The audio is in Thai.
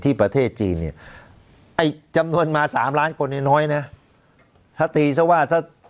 ที่ประเทศจีนเนี่ยจำนวนมาสามล้านคนอย่างน้อยนะถ้าตีซะว่า๑๐